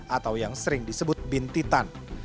atau yang sering disebut bintitan